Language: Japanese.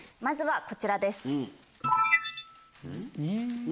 まずはこちらです。